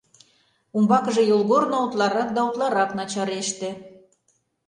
Умбакыже йолгорно утларак да утларак начареште.